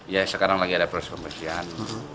ya sekarang lagi ada persip pembahasan